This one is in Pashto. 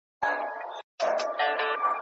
د جهاني صاحب نوې غزل د پخواني عکس سره؛